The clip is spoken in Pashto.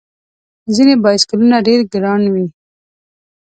ځینې بایسکلونه ډېر ګران وي.